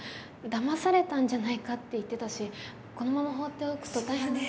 だまされたんじゃないかって言ってたしこのまま放っておくと大変な。